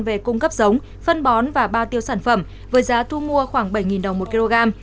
về cung cấp giống phân bón và bao tiêu sản phẩm với giá thu mua khoảng bảy đồng một kg